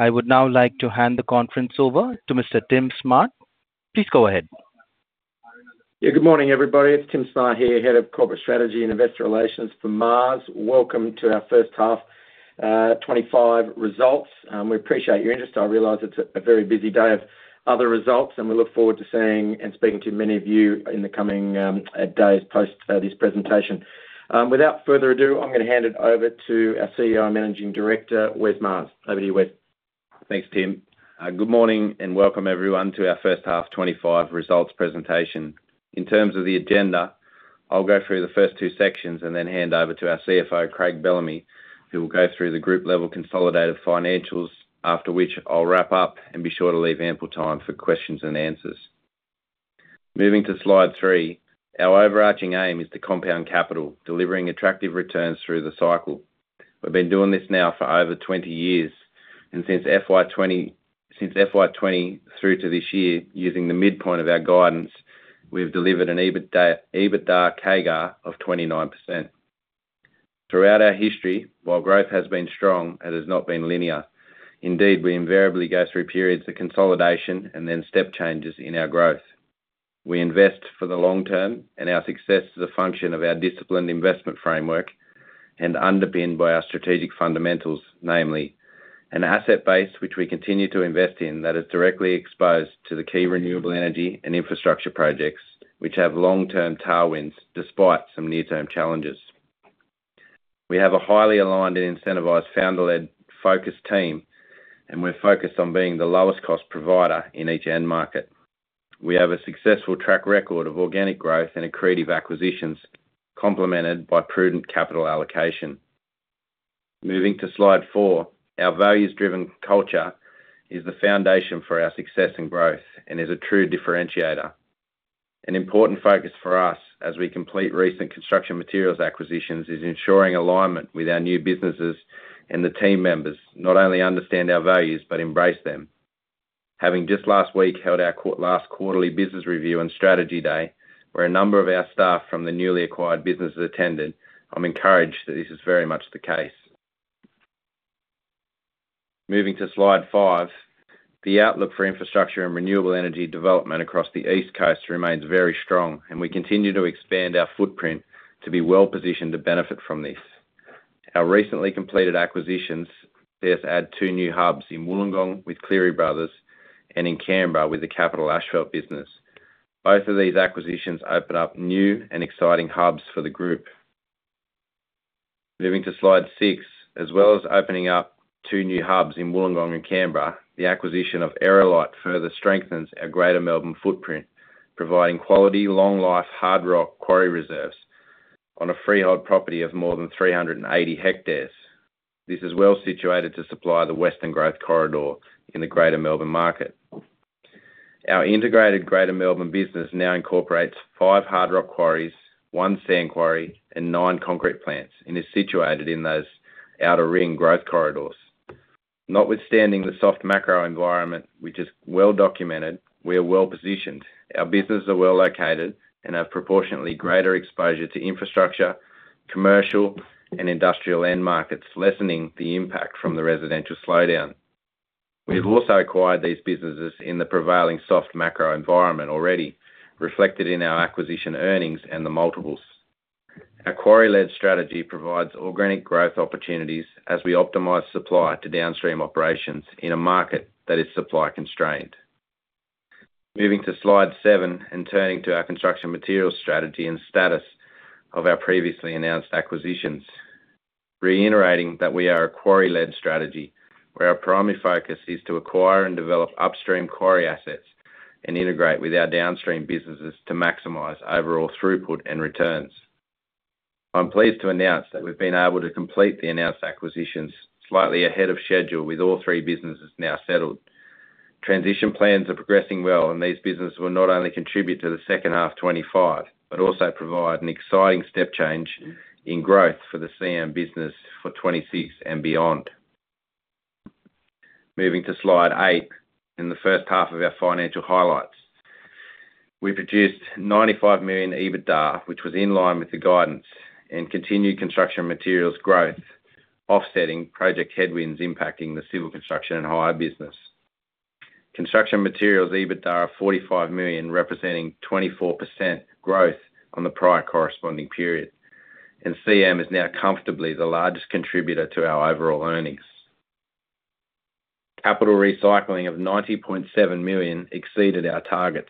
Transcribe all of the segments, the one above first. I would now like to hand the conference over to Mr. Tim Smart. Please go ahead. Yeah, good morning everybody. It's Tim Smart here, Head of Corporate Strategy and Investor Relations for Maas. Welcome to our first half 25 results. We appreciate your interest. I realize it's a very busy day of other results, and we look forward to seeing and speaking to many of you in the coming days post this presentation. Without further ado, I'm gonna hand it over to our CEO and Managing Director, Wes Maas. Over to you, Wes. Thanks, Tim. Good morning and welcome everyone to our first half 25 results presentation. In terms of the agenda, I'll go through the first two sections and then hand over to our CFO, Craig Bellamy, who will go through the group-level consolidated financials, after which I'll wrap up and be sure to leave ample time for questions and answers. Moving to slide three, our overarching aim is to compound capital, delivering attractive returns through the cycle. We've been doing this now for over 20 years, and since FY20, since FY20 through to this year, using the midpoint of our guidance, we've delivered an EBITDA, EBITDA CAGR of 29%. Throughout our history, while growth has been strong, it has not been linear. Indeed, we invariably go through periods of consolidation and then step changes in our growth. We invest for the long term, and our success is a function of our disciplined investment framework and underpinned by our strategic fundamentals, namely an asset base which we continue to invest in that is directly exposed to the key renewable energy and infrastructure projects, which have long-term tailwinds despite some near-term challenges. We have a highly aligned and incentivized founder-led focus team, and we're focused on being the lowest-cost provider in each end market. We have a successful track record of organic growth and accretive acquisitions, complemented by prudent capital allocation. Moving to slide four, our values-driven culture is the foundation for our success and growth and is a true differentiator. An important focus for us as we complete recent Construction Materials acquisitions is ensuring alignment with our new businesses and the team members not only understand our values but embrace them. Having just last week held our quarterly business review and strategy day, where a number of our staff from the newly acquired businesses attended, I'm encouraged that this is very much the case. Moving to slide five, the outlook for infrastructure and renewable energy development across the East Coast remains very strong, and we continue to expand our footprint to be well-positioned to benefit from this. Our recently completed acquisitions add two new hubs in Wollongong with Cleary Bros and in Canberra with the Capital Asphalt business. Both of these acquisitions open up new and exciting hubs for the group. Moving to slide six, as well as opening up two new hubs in Wollongong and Canberra, the acquisition of Aerolite further strengthens our Greater Melbourne footprint, providing quality, long-life hard rock quarry reserves on a freehold property of more than 380 hectares. This is well-situated to supply the Western Growth Corridor in the Greater Melbourne market. Our integrated Greater Melbourne business now incorporates five hard rock quarries, one sand quarry, and nine concrete plants, and is situated in those outer ring growth corridors. Notwithstanding the soft macro environment, which is well-documented, we are well-positioned. Our businesses are well-located and have proportionately greater exposure to infrastructure, commercial, and industrial end markets, lessening the impact from the residential slowdown. We have also acquired these businesses in the prevailing soft macro environment already, reflected in our acquisition earnings and the multiples. Our quarry-led strategy provides organic growth opportunities as we optimize supply to downstream operations in a market that is supply-constrained. Moving to slide seven and turning to our Construction Materials strategy and status of our previously announced acquisitions, reiterating that we are a quarry-led strategy where our primary focus is to acquire and develop upstream quarry assets and integrate with our downstream businesses to maximize overall throughput and returns. I'm pleased to announce that we've been able to complete the announced acquisitions slightly ahead of schedule with all three businesses now settled. Transition plans are progressing well, and these businesses will not only contribute to the second half 2025 but also provide an exciting step change in growth for the CM business for 2026 and beyond. Moving to slide eight in the first half of our financial highlights, we produced 95 million EBITDA, which was in line with the guidance, and continued Construction Materials growth, offsetting project headwinds impacting the Civil Construction and Hire business. Construction Materials EBITDA of 45 million, representing 24% growth on the prior corresponding period, and CM is now comfortably the largest contributor to our overall earnings. Capital recycling of 90.7 million exceeded our targets,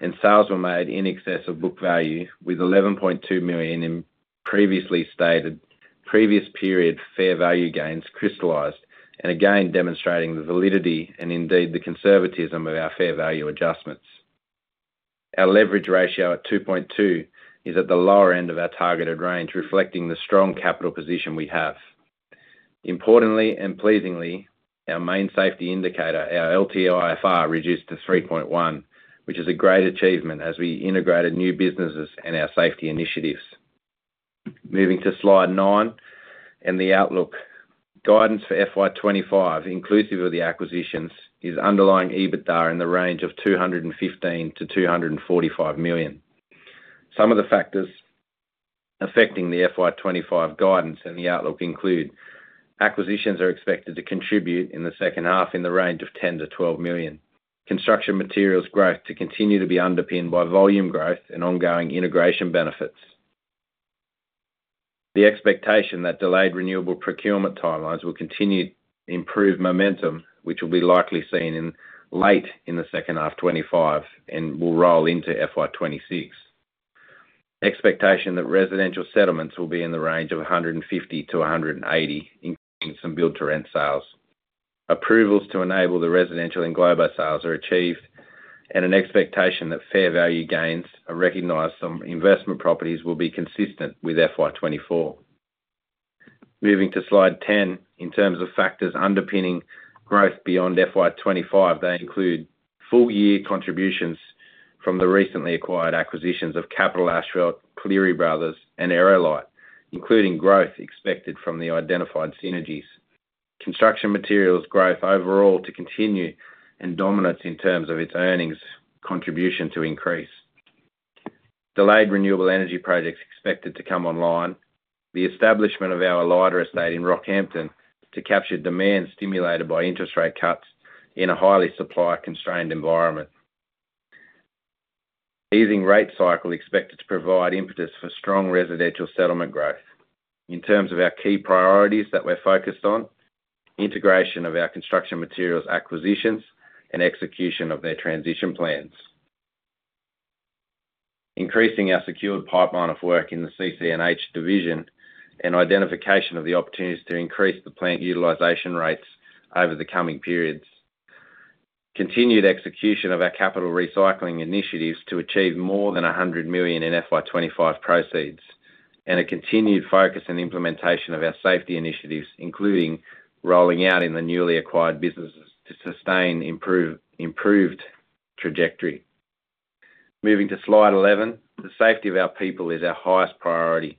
and sales were made in excess of book value with 11.2 million in previously stated previous period fair value gains crystallized, and again demonstrating the validity and indeed the conservatism of our fair value adjustments. Our leverage ratio at 2.2 is at the lower end of our targeted range, reflecting the strong capital position we have. Importantly and pleasingly, our main safety indicator, our LTIFR, reduced to 3.1, which is a great achievement as we integrated new businesses and our safety initiatives. Moving to slide nine and the outlook, guidance for FY25, inclusive of the acquisitions, is underlying EBITDA in the range of 215-245 million. Some of the factors affecting the FY25 guidance and the outlook include acquisitions that are expected to contribute in the second half in the range of 10 million-12 million. Construction Materials growth to continue to be underpinned by volume growth and ongoing integration benefits. The expectation that delayed renewable procurement timelines will continue to improve momentum, which will be likely seen late in the second half 2025 and will roll into FY26. Expectation that residential settlements will be in the range of 150 to 180, including some build-to-rent sales. Approvals to enable the residential and englobo sales are achieved, and an expectation that fair value gains are recognized from investment properties will be consistent with FY24. Moving to slide 10, in terms of factors underpinning growth beyond FY25, they include full-year contributions from the recently acquired acquisitions of Capital Asphalt, Cleary Bros, and Aerolite, including growth expected from the identified synergies. Construction Materials growth overall to continue and dominance in terms of its earnings contribution to increase. Delayed renewable energy projects expected to come online. The establishment of our Ellida Estate in Rockhampton to capture demand stimulated by interest rate cuts in a highly supply-constrained environment. Easing rate cycle expected to provide impetus for strong residential settlement growth. In terms of our key priorities that we're focused on, integration of our Construction Materials acquisitions and execution of their transition plans. Increasing our secured pipeline of work in the CCH division and identification of the opportunities to increase the plant utilization rates over the coming periods. Continued execution of our capital recycling initiatives to achieve more than 100 million in FY25 proceeds and a continued focus and implementation of our safety initiatives, including rolling out in the newly acquired businesses to sustain improved trajectory. Moving to slide eleven, the safety of our people is our highest priority.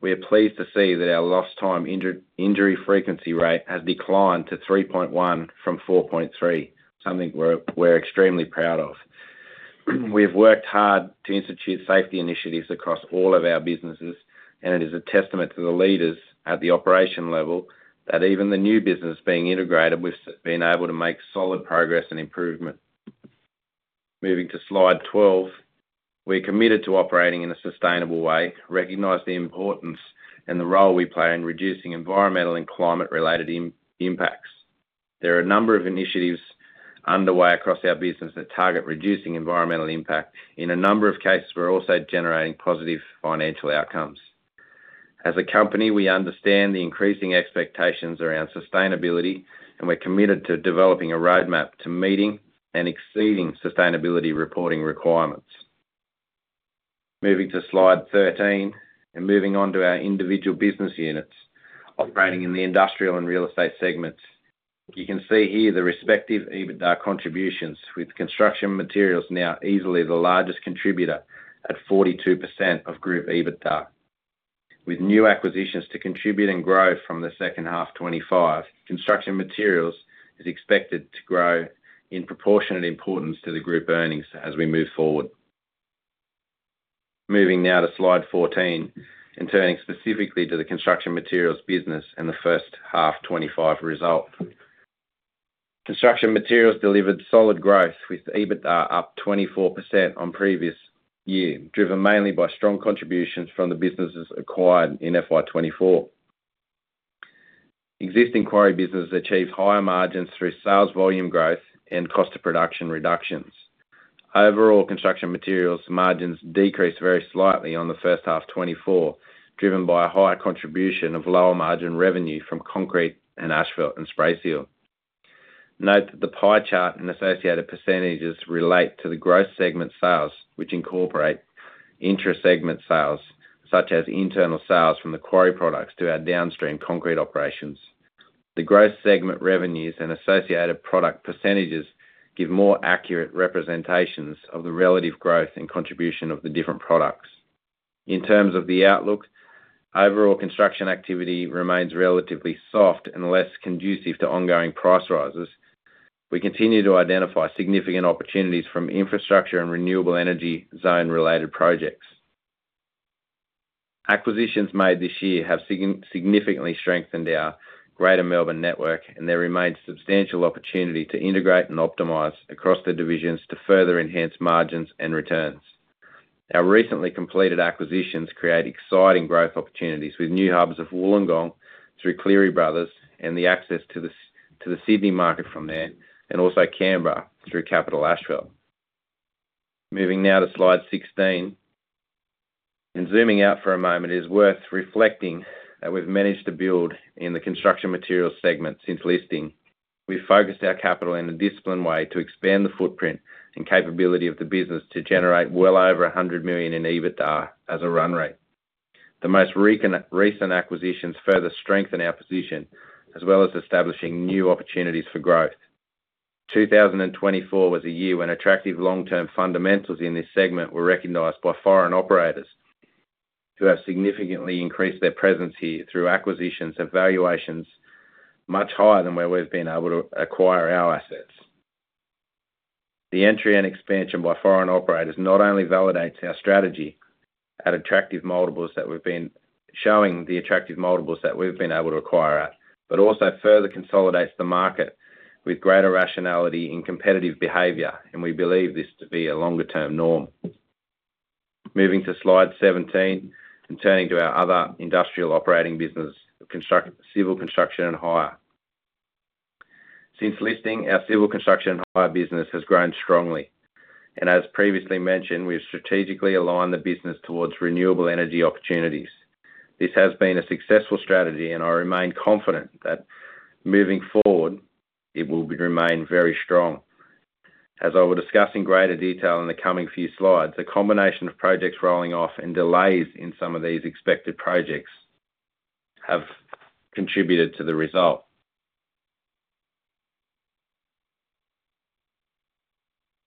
We are pleased to see that our lost time injury frequency rate has declined to 3.1 from 4.3, something we're extremely proud of. We have worked hard to institute safety initiatives across all of our businesses, and it is a testament to the leaders at the operation level that even the new business being integrated, we've been able to make solid progress and improvement. Moving to slide twelve, we're committed to operating in a sustainable way, recognize the importance and the role we play in reducing environmental and climate-related impacts. There are a number of initiatives underway across our business that target reducing environmental impact. In a number of cases, we're also generating positive financial outcomes. As a company, we understand the increasing expectations around sustainability, and we're committed to developing a roadmap to meeting and exceeding sustainability reporting requirements. Moving to slide 13 and moving on to our individual business units operating in the industrial and real estate segments, you can see here the respective EBITDA contributions with Construction Materials now easily the largest contributor at 42% of group EBITDA. With new acquisitions to contribute and grow from the second half 2025, Construction Materials is expected to grow in proportionate importance to the group earnings as we move forward. Moving now to slide 14 and turning specifically to the Construction Materials business and the first half 2025 result. Construction Materials delivered solid growth with EBITDA up 24% on previous year, driven mainly by strong contributions from the businesses acquired in FY 2024. Existing quarry businesses achieved higher margins through sales volume growth and cost of production reductions. Overall, Construction Materials margins decreased very slightly on the first half 2024, driven by a high contribution of lower margin revenue from concrete and asphalt and spray seal. Note that the pie chart and associated percentages relate to the gross segment sales, which incorporate intra-segment sales such as internal sales from the quarry products to our downstream concrete operations. The gross segment revenues and associated product percentages give more accurate representations of the relative growth and contribution of the different products. In terms of the outlook, overall construction activity remains relatively soft and less conducive to ongoing price rises. We continue to identify significant opportunities from infrastructure and renewable energy zone-related projects. Acquisitions made this year have significantly strengthened our Greater Melbourne network, and there remains substantial opportunity to integrate and optimize across the divisions to further enhance margins and returns. Our recently completed acquisitions create exciting growth opportunities with new hubs of Wollongong through Cleary Bros and the access to the Sydney market from there and also Canberra through Capital Asphalt. Moving now to slide 16 and zooming out for a moment, it is worth reflecting that we've managed to build in the Construction Materials segment since listing. We've focused our capital in a disciplined way to expand the footprint and capability of the business to generate well over 100 million in EBITDA as a run rate. The most recent acquisitions further strengthen our position as well as establishing new opportunities for growth. 2024 was a year when attractive long-term fundamentals in this segment were recognized by foreign operators who have significantly increased their presence here through acquisitions of valuations much higher than where we've been able to acquire our assets. The entry and expansion by foreign operators not only validates our strategy at attractive multiples that we've been showing the attractive multiples that we've been able to acquire at, but also further consolidates the market with greater rationality in competitive behavior, and we believe this to be a longer-term norm. Moving to slide 17 and turning to our other industrial operating business of construction, Civil Construction and Hire. Since listing, our Civil Construction and Hire business has grown strongly, and as previously mentioned, we've strategically aligned the business towards renewable energy opportunities. This has been a successful strategy, and I remain confident that moving forward, it will remain very strong. As I will discuss in greater detail in the coming few slides, a combination of projects rolling off and delays in some of these expected projects have contributed to the result.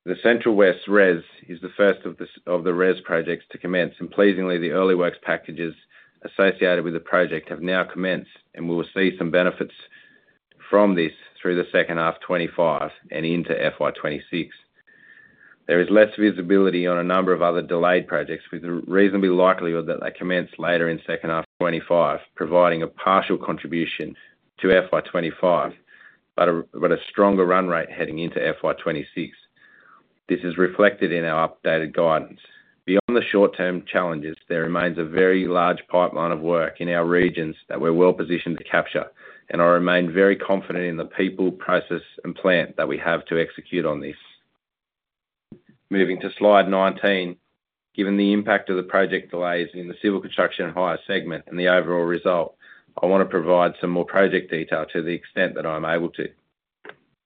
The Central-West Orana REZ is the first of the REZ projects to commence, and pleasingly, the early works packages associated with the project have now commenced, and we will see some benefits from this through the second half 2025 and into FY 2026. There is less visibility on a number of other delayed projects, with the reasonable likelihood that they commence later in second half 2025, providing a partial contribution to FY 2025, but a stronger run rate heading into FY 2026. This is reflected in our updated guidance. Beyond the short-term challenges, there remains a very large pipeline of work in our regions that we're well-positioned to capture, and I remain very confident in the people, process, and plant that we have to execute on this. Moving to slide nineteen, given the impact of the project delays in the Civil Construction and Hire segment and the overall result, I want to provide some more project detail to the extent that I'm able to.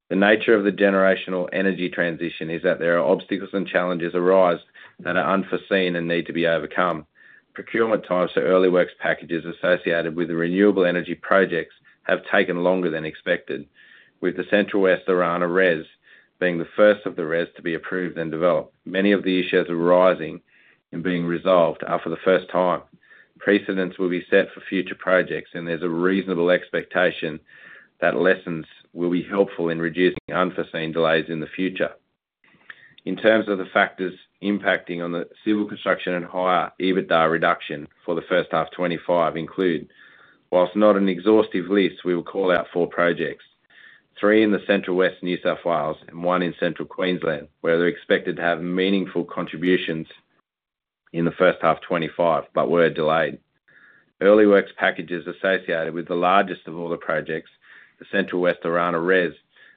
The nature of the generational energy transition is that there are obstacles and challenges arise that are unforeseen and need to be overcome. Procurement times for early works packages associated with the renewable energy projects have taken longer than expected, with the Central-West Orana REZ being the first of the REZ to be approved and developed. Many of the issues are rising and being resolved after the first time. Precedents will be set for future projects, and there's a reasonable expectation that lessons will be helpful in reducing unforeseen delays in the future. In terms of the factors impacting on the Civil Construction and Hire EBITDA reduction for the first half 2025, include, whilst not an exhaustive list, we will call out four projects: three in the Central-West Orana, New South Wales, and one in Central Queensland, where they're expected to have meaningful contributions in the first half 2025 but were delayed. Early works packages associated with the largest of all the projects, the Central-West Orana REZ,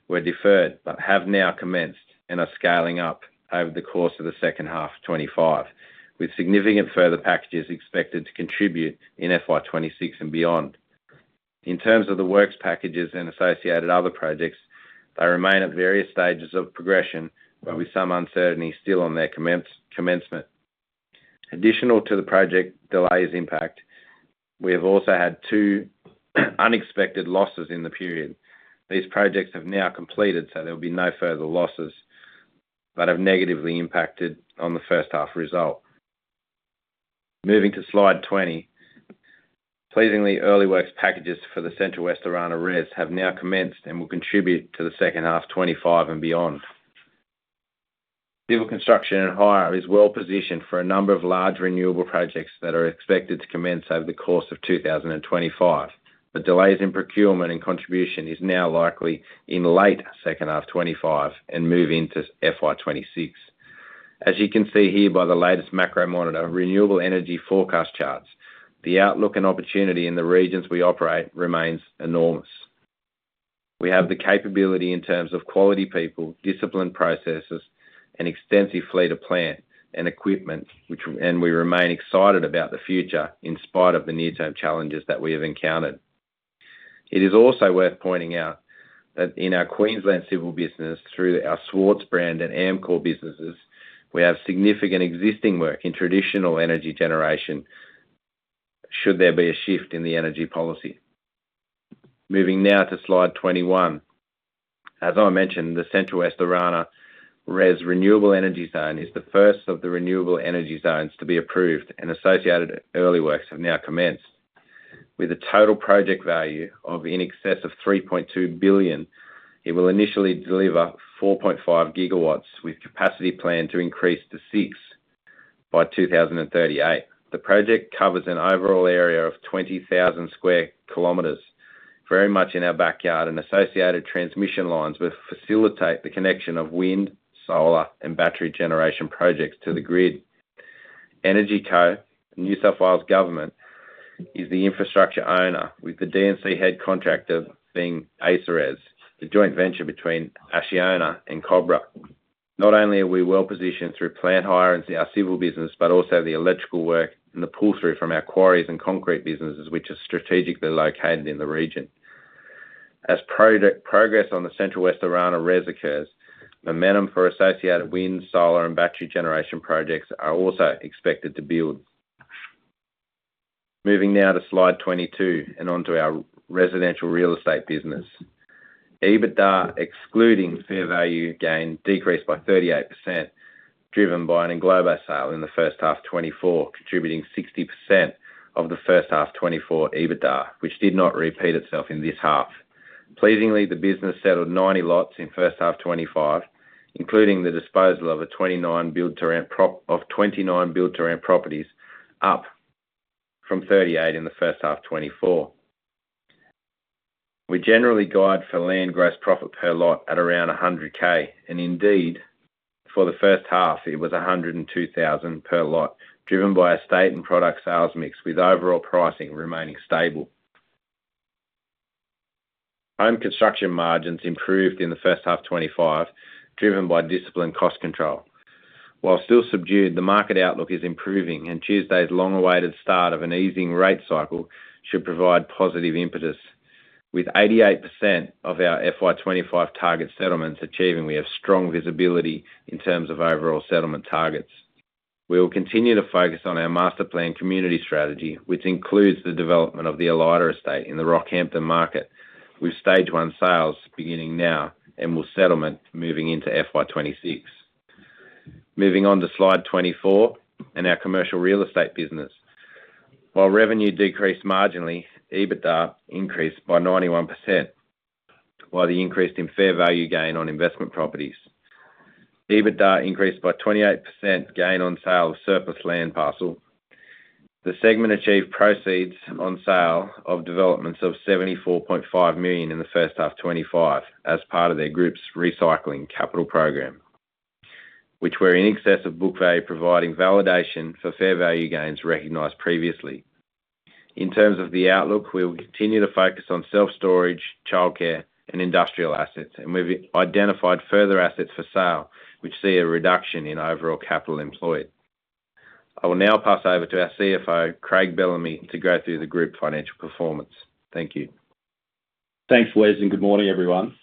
were deferred but have now commenced and are scaling up over the course of the second half 2025, with significant further packages expected to contribute in FY 2026 and beyond. In terms of the works packages and associated other projects, they remain at various stages of progression, but with some uncertainty still on their commencement. Additional to the project delays impact, we have also had two unexpected losses in the period. These projects have now completed, so there will be no further losses that have negatively impacted on the first half result. Moving to slide twenty, pleasingly, early works packages for the Central-West Orana REZ have now commenced and will contribute to the second half 2025 and beyond. Civil Construction and Hire is well-positioned for a number of large renewable projects that are expected to commence over the course of 2025, but delays in procurement and contribution is now likely in late second half 2025 and move into FY 2026. As you can see here by the latest Macromonitor, renewable energy forecast charts, the outlook and opportunity in the regions we operate remains enormous. We have the capability in terms of quality people, disciplined processes, an extensive fleet of plant and equipment, and we remain excited about the future in spite of the near-term challenges that we have encountered. It is also worth pointing out that in our Queensland civil business, through our Schwarz brand and Aerolite businesses, we have significant existing work in traditional energy generation should there be a shift in the energy policy. Moving now to slide 21. As I mentioned, the Central-West Orana REZ renewable energy zone is the first of the renewable energy zones to be approved, and associated early works have now commenced. With a total project value of in excess of 3.2 billion, it will initially deliver 4.5 gigawatts, with capacity planned to increase to six by 2038. The project covers an overall area of 20,000 sq km, very much in our backyard, and associated transmission lines will facilitate the connection of wind, solar, and battery generation projects to the grid. EnergyCo NSW, New South Wales government, is the infrastructure owner, with the D&C head contractor being ACEREZ, the joint venture between Acciona and Cobra. Not only are we well-positioned through plant hire and our civil business, but also the electrical work and the pull-through from our quarries and concrete businesses, which are strategically located in the region. As progress on the Central-West Orana REZ occurs, momentum for associated wind, solar, and battery generation projects are also expected to build. Moving now to slide twenty-two and onto our Residential Real Estate business. EBITDA, excluding fair value gain, decreased by 38%, driven by an englobo sale in the first half 2024, contributing 60% of the first half 2024 EBITDA, which did not repeat itself in this half. Pleasingly, the business settled 90 lots in first half 2025, including the disposal of 29 build-to-rent properties, up from 38 in the first half 2024. We generally guide for land gross profit per lot at around 100K, and indeed, for the first half, it was 102,000 per lot, driven by a state and product sales mix, with overall pricing remaining stable. Home construction margins improved in the first half 2025, driven by disciplined cost control. While still subdued, the market outlook is improving, and Tuesday's long-awaited start of an easing rate cycle should provide positive impetus. With 88% of our FY25 target settlements achieving, we have strong visibility in terms of overall settlement targets. We will continue to focus on our master plan community strategy, which includes the development of the Ellida Estate in the Rockhampton market, with stage one sales beginning now and settlements moving into FY26. Moving on to slide twenty-four and our Commercial Real Estate business. While revenue decreased marginally, EBITDA increased by 91% while the increase in fair value gain on investment properties. EBITDA increased by 28% gain on sale of surplus land parcel. The segment achieved proceeds on sale of developments of 74.5 million in the first half 2025 as part of their group's recycling capital program, which were in excess of book value, providing validation for fair value gains recognized previously. In terms of the outlook, we will continue to focus on self-storage, childcare, and industrial assets, and we've identified further assets for sale, which see a reduction in overall capital employed. I will now pass over to our CFO, Craig Bellamy, to go through the group financial performance. Thank you. Thanks, Wes, and good morning, everyone.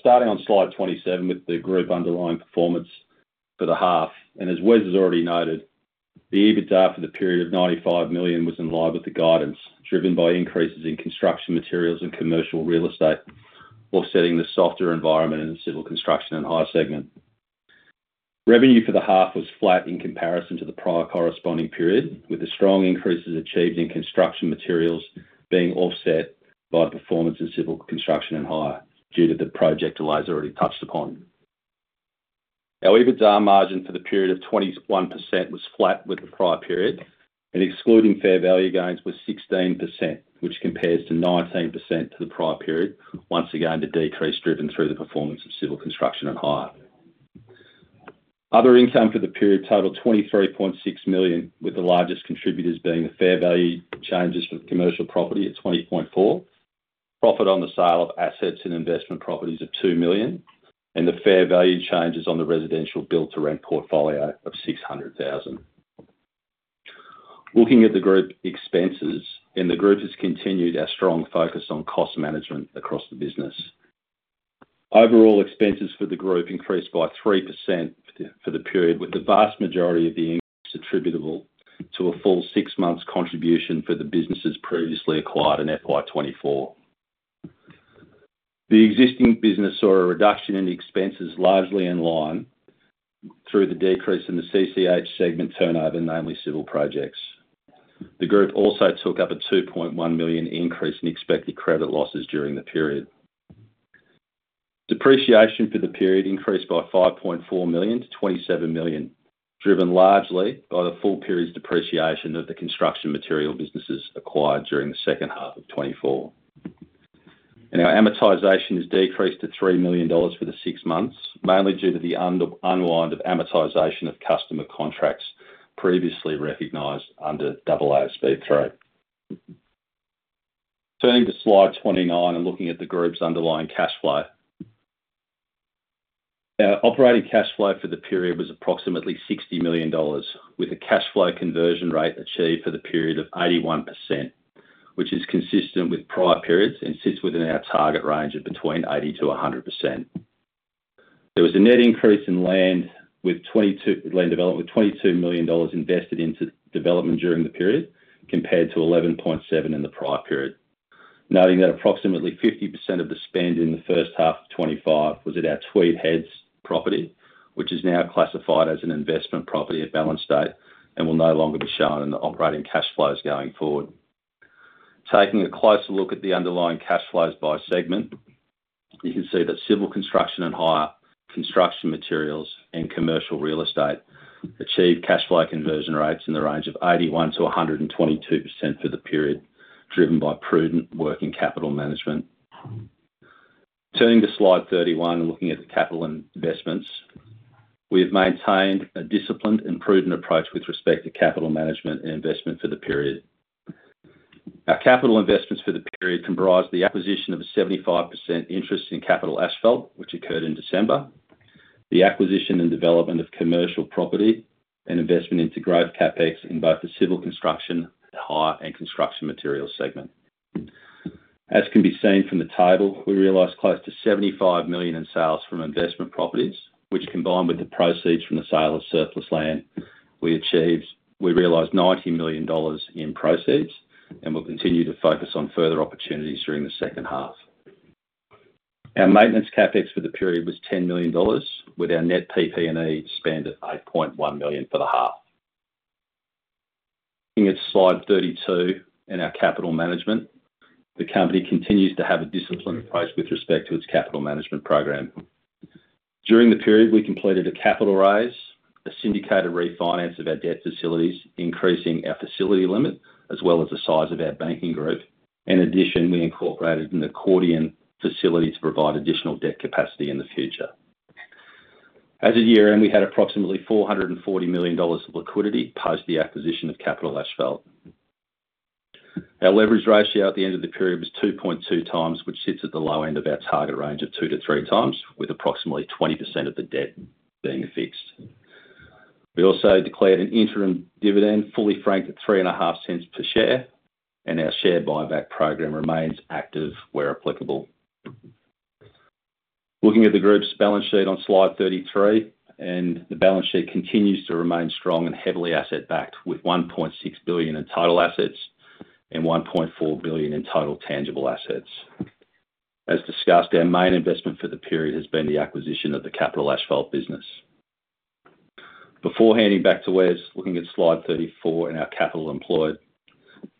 Starting on slide 27 with the group underlying performance for the half, and as Wes has already noted, the EBITDA for the period of 95 million was in line with the guidance, driven by increases in Construction Materials and Commercial Real Estate, offsetting the softer environment in the Civil Construction and Hire segment. Revenue for the half was flat in comparison to the prior corresponding period, with the strong increases achieved in Construction Materials being offset by performance in Civil Construction and Hire due to the project delays already touched upon. Our EBITDA margin for the period of 21% was flat with the prior period, and excluding fair value gains was 16%, which compares to 19% to the prior period. Once again, the decrease driven through the performance of Civil Construction and Hire. Other income for the period totaled 23.6 million, with the largest contributors being the fair value changes for commercial property at 20.4 million, profit on the sale of assets and investment properties of 2 million, and the fair value changes on the residential build-to-rent portfolio of 600,000. Looking at the group expenses, the group has continued our strong focus on cost management across the business. Overall expenses for the group increased by 3% for the period, with the vast majority of the increase attributable to a full six months contribution for the businesses previously acquired in FY24. The existing business saw a reduction in expenses largely in line with the decrease in the CCH segment turnover, namely civil projects. The group also took up a 2.1 million increase in expected credit losses during the period. Depreciation for the period increased by 5.4 million to 27 million, driven largely by the full period's depreciation of the Construction Material businesses acquired during the second half of 2024, and our amortization has decreased to 3 million dollars for the six months, mainly due to the unwind of amortization of customer contracts previously recognized under AASB 15. Turning to slide 29 and looking at the group's underlying cash flow. Our operating cash flow for the period was approximately 60 million dollars, with a cash flow conversion rate achieved for the period of 81%, which is consistent with prior periods and sits within our target range of between 80% to 100%. There was a net increase in land with 22 million dollars invested into development during the period, compared to 11.7 in the prior period, noting that approximately 50% of the spend in the first half of 2025 was at our Tweed Heads property, which is now classified as an investment property at balance date and will no longer be shown in the operating cash flows going forward. Taking a closer look at the underlying cash flows by segment, you can see that Civil Construction and Hire Construction Materials and Commercial Real Estate achieved cash flow conversion rates in the range of 81%-122% for the period, driven by prudent working capital management. Turning to slide thirty-one and looking at the capital investments, we have maintained a disciplined and prudent approach with respect to capital management and investment for the period. Our capital investments for the period comprised the acquisition of a 75% interest in Capital Asphalt, which occurred in December, the acquisition and development of commercial property, and investment into growth CapEx in both the civil construction, hire, and Construction Materials segment. As can be seen from the table, we realized close to 75 million in sales from investment properties, which combined with the proceeds from the sale of surplus land, we achieved, we realized 90 million dollars in proceeds and will continue to focus on further opportunities during the second half. Our maintenance CapEx for the period was 10 million dollars, with our net PP&E spend of 8.1 million for the half. Looking at slide thirty-two and our capital management, the company continues to have a disciplined approach with respect to its capital management program. During the period, we completed a capital raise, a syndicated refinance of our debt facilities, increasing our facility limit as well as the size of our banking group. In addition, we incorporated an accordion facility to provide additional debt capacity in the future. At year-end, we had approximately 440 million dollars of liquidity post the acquisition of Capital Asphalt. Our leverage ratio at the end of the period was 2.2 times, which sits at the low end of our target range of two to three times, with approximately 20% of the debt being fixed. We also declared an interim dividend fully franked at 0.035 per share, and our share buyback program remains active where applicable. Looking at the group's balance sheet on slide thirty-three, the balance sheet continues to remain strong and heavily asset-backed, with 1.6 billion in total assets and 1.4 billion in total tangible assets. As discussed, our main investment for the period has been the acquisition of the Capital Asphalt business. Before handing back to Wes, looking at slide thirty-four and our capital employed,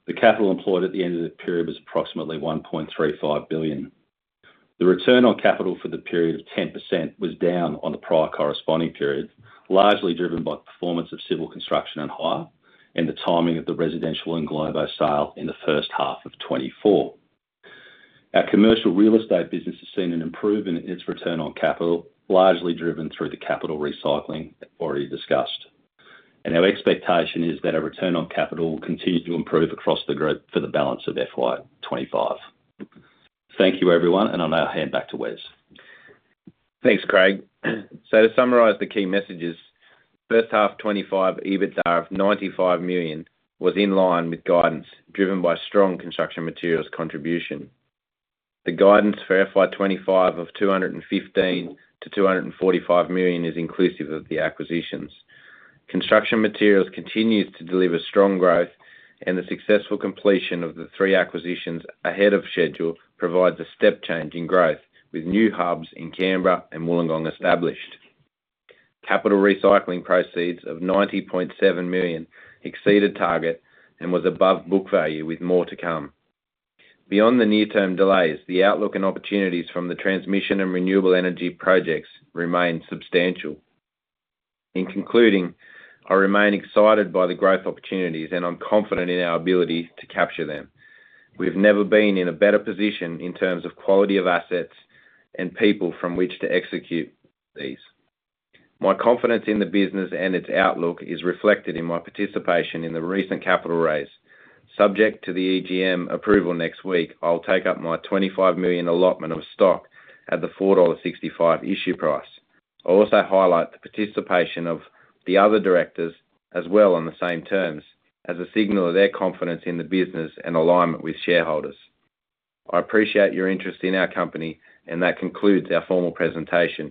the capital employed at the end of the period was approximately 1.35 billion. The return on capital for the period of 10% was down on the prior corresponding period, largely driven by performance of Civil Construction and Hire, and the timing of the residential englobo sale in the first half of 2024. Our Commercial Real Estate business has seen an improvement in its return on capital, largely driven through the capital recycling already discussed, and our expectation is that our return on capital will continue to improve across the group for the balance of FY25. Thank you, everyone, and I'll now hand back to Wes. Thanks, Craig. So to summarize the key messages, first half 2025 EBITDA of 95 million was in line with guidance, driven by strong Construction Materials contribution. The guidance for FY25 of 215 million to 245 million is inclusive of the acquisitions. Construction Materials continues to deliver strong growth, and the successful completion of the three acquisitions ahead of schedule provides a step change in growth, with new hubs in Canberra and Wollongong established. Capital recycling proceeds of 90.7 million exceeded target and was above book value, with more to come. Beyond the near-term delays, the outlook and opportunities from the transmission and renewable energy projects remain substantial. In concluding, I remain excited by the growth opportunities, and I'm confident in our ability to capture them. We've never been in a better position in terms of quality of assets and people from which to execute these. My confidence in the business and its outlook is reflected in my participation in the recent capital raise. Subject to the EGM approval next week, I'll take up my 25 million allotment of stock at the 4.65 dollar issue price. I also highlight the participation of the other directors as well on the same terms as a signal of their confidence in the business and alignment with shareholders. I appreciate your interest in our company, and that concludes our formal presentation.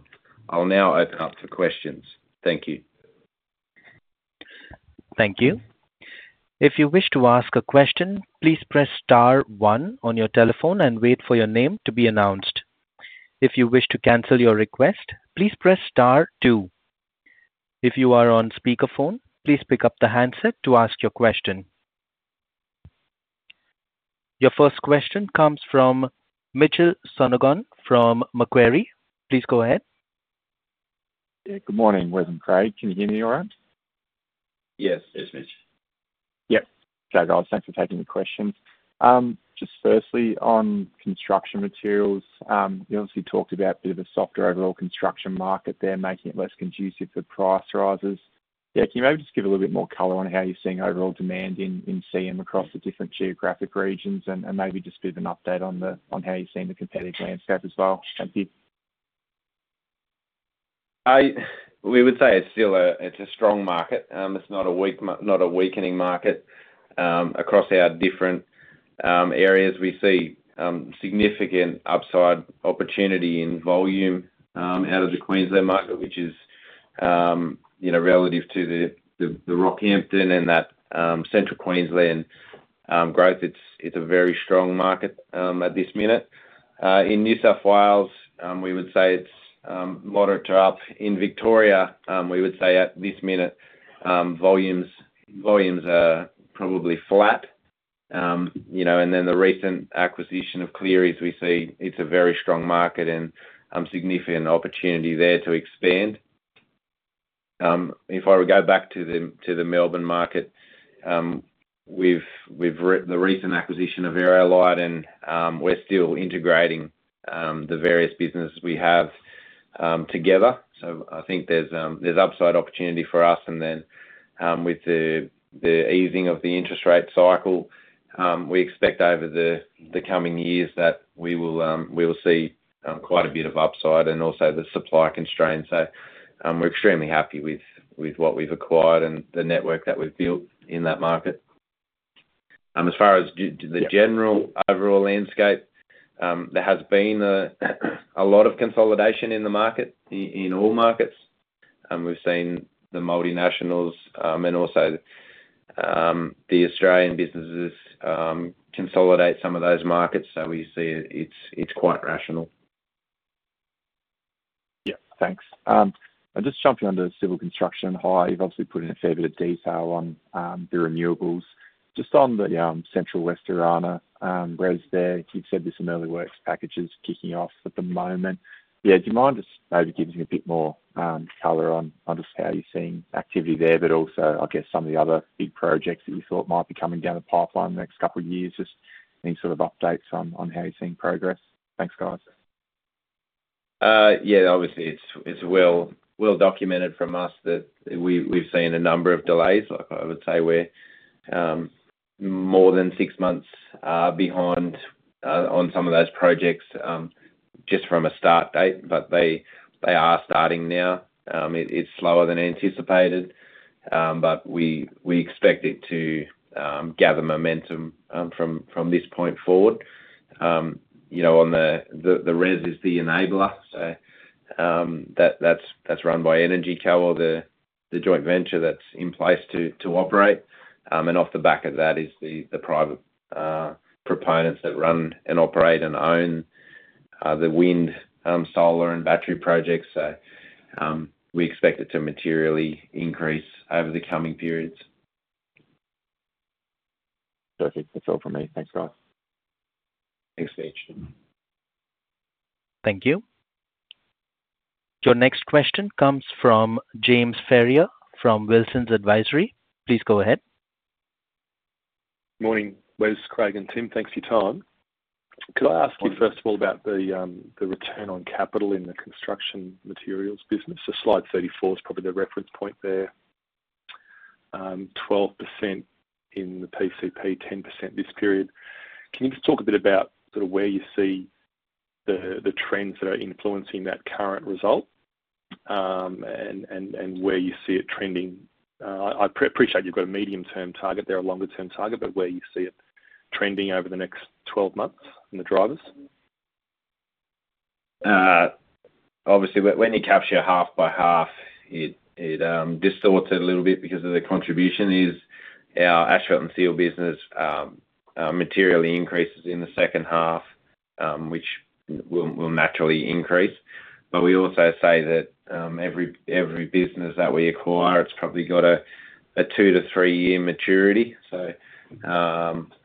I'll now open up for questions. Thank you. Thank you. If you wish to ask a question, please press star one on your telephone and wait for your name to be announced. If you wish to cancel your request, please press star two. If you are on speakerphone, please pick up the handset to ask your question. Your first question comes from Mitchell Sonogan from Macquarie. Please go ahead. Good morning, Wes and Craig. Can you hear me all right? Yes, it's Mitchell. Yep. Craig. Thanks for taking the questions. Just firstly, on Construction Materials, you obviously talked about a bit of a softer overall construction market there, making it less conducive for price rises. Yeah, can you maybe just give a little bit more color on how you're seeing overall demand in CM across the different geographic regions and maybe just give an update on how you're seeing the competitive landscape as well? Thank you. We would say it's still a strong market. It's not a weakening market. Across our different areas, we see significant upside opportunity in volume out of the Queensland market, which is relative to the Rockhampton and that central Queensland growth. It's a very strong market at this minute. In New South Wales, we would say it's moderate to up. In Victoria, we would say at this minute, volumes are probably flat, and then the recent acquisition of Cleary, as we see, it's a very strong market and significant opportunity there to expand. If I were to go back to the Melbourne market, with the recent acquisition of Aerolite, and we're still integrating the various businesses we have together, so I think there's upside opportunity for us. And then with the easing of the interest rate cycle, we expect over the coming years that we will see quite a bit of upside and also the supply constraints. So we're extremely happy with what we've acquired and the network that we've built in that market. As far as the general overall landscape, there has been a lot of consolidation in the market, in all markets. We've seen the multinationals and also the Australian businesses consolidate some of those markets. So we see it's quite rational. Yep, thanks. I'll just jump you onto the Civil Construction and Hire. You've obviously put in a fair bit of detail on the renewables. Just on the Central-West Orana, Wes there, you've said there's some early works packages kicking off at the moment. Yeah, do you mind just maybe giving me a bit more color on just how you're seeing activity there, but also I guess some of the other big projects that you thought might be coming down the pipeline in the next couple of years, just any sort of updates on how you're seeing progress? Thanks, guys. Yeah, obviously it's well documented from us that we've seen a number of delays. I would say we're more than six months behind on some of those projects just from a start date, but they are starting now. It's slower than anticipated, but we expect it to gather momentum from this point forward. The REZ is the enabler, so that's run by EnergyCo, the joint venture that's in place to operate. And off the back of that is the private proponents that run and operate and own the wind, solar, and battery projects. So we expect it to materially increase over the coming periods. Perfect. That's all from me. Thanks, guys. Thanks, Mitch. Thank you. Your next question comes from James Ferrier from Wilsons Advisory. Please go ahead. Morning, Wes, Craig, and Tim. Thanks for your time. Could I ask you first of all about the return on capital in the Construction Materials business? So slide 34 is probably the reference point there. 12% in the PCP, 10% this period. Can you just talk a bit about sort of where you see the trends that are influencing that current result and where you see it trending? I appreciate you've got a medium-term target there, a longer-term target, but where you see it trending over the next 12 months and the drivers? Obviously, when you capture half by half, it distorts it a little bit because of the contribution. Our asphalt and seal business materially increases in the second half, which will naturally increase. But we also say that every business that we acquire, it's probably got a two- to three-year maturity. So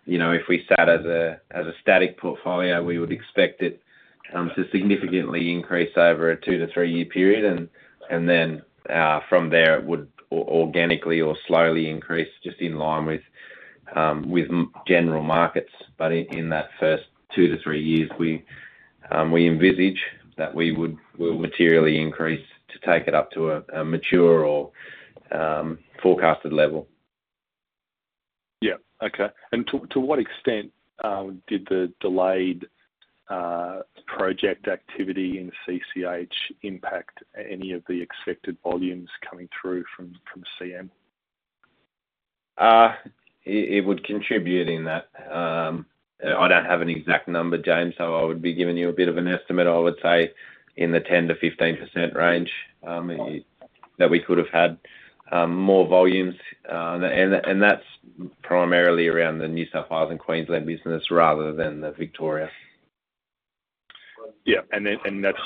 if we sat as a static portfolio, we would expect it to significantly increase over a two- to three-year period. And then from there, it would organically or slowly increase just in line with general markets. But in that first two- to three years, we envisage that we will materially increase to take it up to a mature or forecasted level. Yeah. Okay. And to what extent did the delayed project activity in CCH impact any of the expected volumes coming through from CM? It would contribute in that. I don't have an exact number, James, so I would be giving you a bit of an estimate. I would say in the 10%-15% range that we could have had more volumes. And that's primarily around the New South Wales and Queensland business rather than the Victoria. Yeah. And that's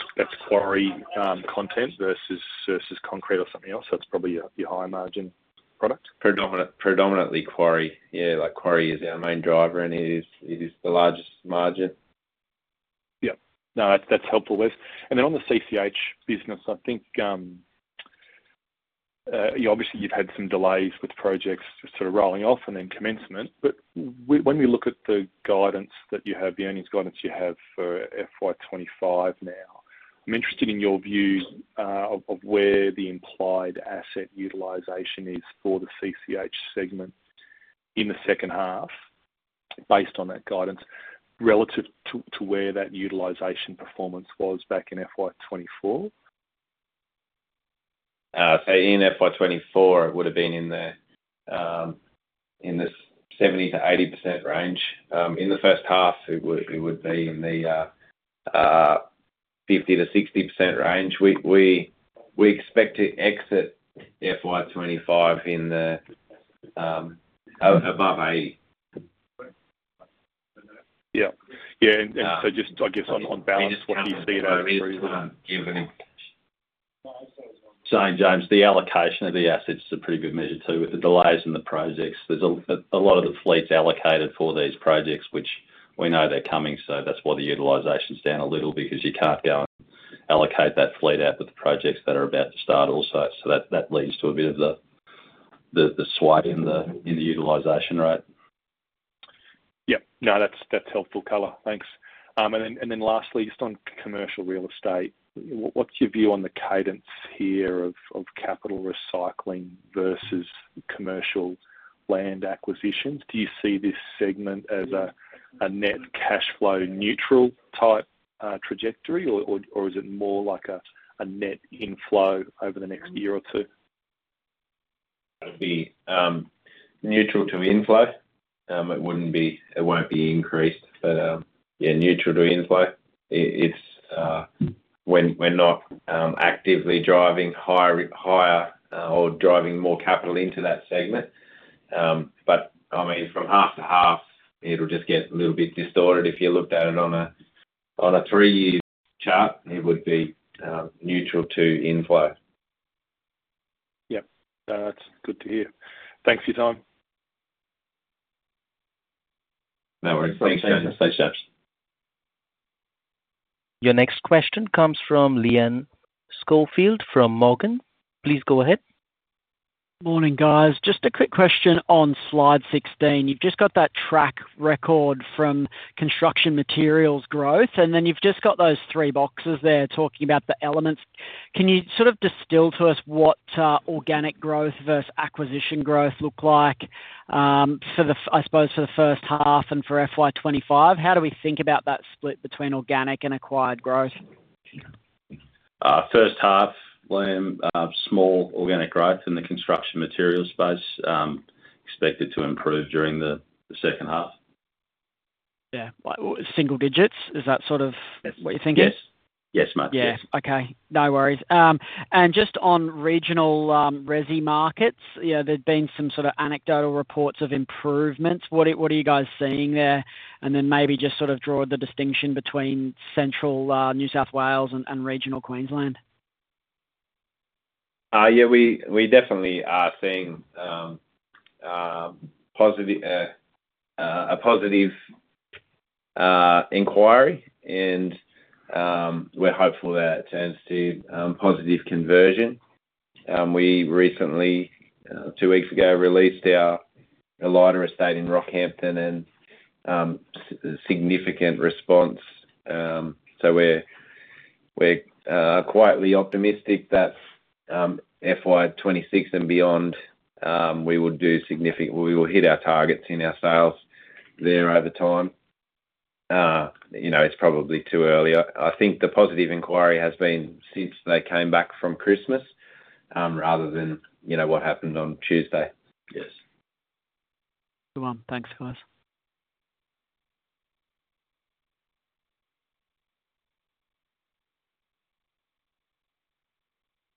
quarry content versus concrete or something else? That's probably a high-margin product? Predominantly quarry. Yeah, quarry is our main driver, and it is the largest margin. Yep. No, that's helpful, Wes. And then on the CCH business, I think obviously you've had some delays with projects sort of rolling off and then commencement. But when we look at the guidance that you have, the earnings guidance you have for FY25 now, I'm interested in your view of where the implied asset utilization is for the CCH segment in the second half based on that guidance relative to where that utilization performance was back in FY24? In FY24, it would have been in the 70-80% range. In the first half, it would be in the 50-60% range. We expect to exit FY25 above 80%. Yeah. Yeah. And so just, I guess, on balance, what do you see? Sorry, James. The allocation of the assets is a pretty good measure too. With the delays in the projects, there's a lot of the fleets allocated for these projects, which we know they're coming. So that's why the utilization's down a little because you can't go and allocate that fleet out with the projects that are about to start also. So that leads to a bit of the sway in the utilization, right? Yep. No, that's helpful color. Thanks. And then lastly, just on Commercial Real Estate, what's your view on the cadence here of capital recycling versus commercial land acquisitions? Do you see this segment as a net cash flow neutral type trajectory, or is it more like a net inflow over the next year or two? It would be neutral to inflow. It won't be increased, but yeah, neutral to inflow. We're not actively driving higher or driving more capital into that segment. But I mean, from half to half, it'll just get a little bit distorted. If you looked at it on a three-year chart, it would be neutral to inflow. Yep. No, that's good to hear. Thanks for your time. No worries. Thanks, James. Thanks, James. Your next question comes from Liam Schofield from Morgans. Please go ahead. Morning, guys. Just a quick question on slide 16. You've just got that track record from Construction Materials growth, and then you've just got those three boxes there talking about the elements. Can you sort of distill to us what organic growth versus acquisition growth look like for, I suppose, for the first half and for FY25? How do we think about that split between organic and acquired growth? First half, small organic growth in the Construction Materials space expected to improve during the second half. Yeah. Single digits. Is that sort of what you're thinking? Yes. Yes, mate. Yes. Okay. No worries. And just on regional REZ markets, there'd been some sort of anecdotal reports of improvements. What are you guys seeing there? And then maybe just sort of draw the distinction between central New South Wales and regional Queensland. Yeah. We definitely are seeing a positive inquiry, and we're hopeful that turns to positive conversion. We recently, two weeks ago, released our Ellida Estate in Rockhampton and significant response. So we're quietly optimistic that FY26 and beyond, we will hit our targets in our sales there over time. It's probably too early. I think the positive inquiry has been since they came back from Christmas rather than what happened on Tuesday. Yes. Thanks, guys.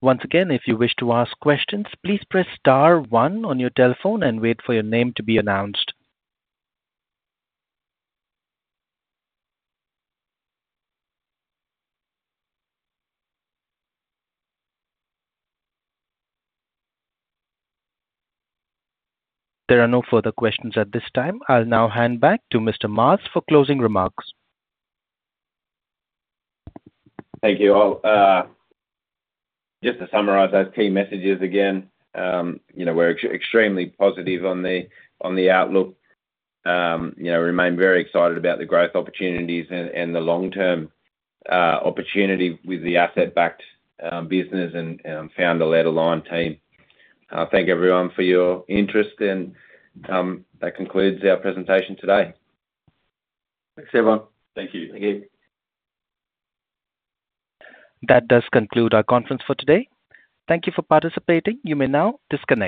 Once again, if you wish to ask questions, please press star one on your telephone and wait for your name to be announced. There are no further questions at this time. I'll now hand back to Mr. Maas for closing remarks. Thank you all. Just to summarize those key messages again, we're extremely positive on the outlook. We remain very excited about the growth opportunities and the long-term opportunity with the asset-backed business and founder-led aligned team. Thank everyone for your interest, and that concludes our presentation today. Thanks, everyone. Thank you. Thank you. That does conclude our conference for today. Thank you for participating. You may now disconnect.